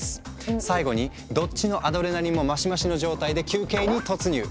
最後にどっちのアドレナリンもマシマシの状態で休憩に突入。